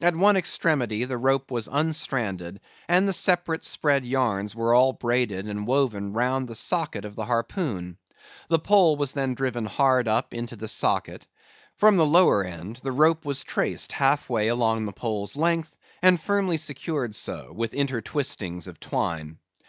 At one extremity the rope was unstranded, and the separate spread yarns were all braided and woven round the socket of the harpoon; the pole was then driven hard up into the socket; from the lower end the rope was traced half way along the pole's length, and firmly secured so, with intertwistings of twine.